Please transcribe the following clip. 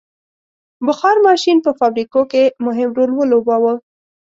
• بخار ماشین په فابریکو کې مهم رول ولوباوه.